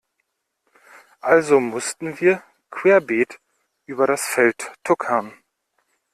Also mussten wir querbeet über das Feld tuckern.